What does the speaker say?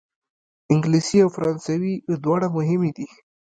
انګلیسي او فرانسوي دواړه مهمې دي.